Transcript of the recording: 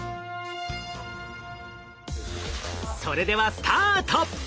それではスタート。